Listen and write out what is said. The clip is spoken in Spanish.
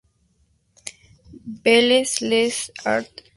Belles-Lettres Arts, Sci.